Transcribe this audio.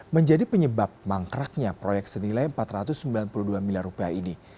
menjadi penyebab mangkraknya proyek senilai rp empat ratus sembilan puluh dua miliar rupiah ini